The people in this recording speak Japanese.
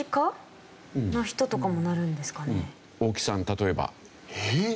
大木さん例えば？ええっ？